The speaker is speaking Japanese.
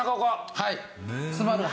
はい。